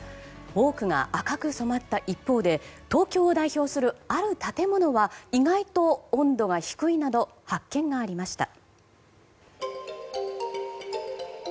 多くが赤く染まった一方で東京を代表する、ある建物は意外と温度が低いなど発見がありました。